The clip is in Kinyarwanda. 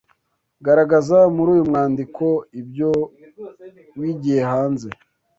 garagaza muri uyu mwandiko ibyo wigiyehanze